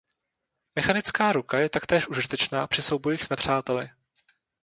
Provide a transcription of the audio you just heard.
Mechanická ruka je taktéž užitečná při soubojích s nepřáteli.